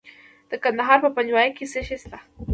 د کندهار په پنجوايي کې څه شی شته؟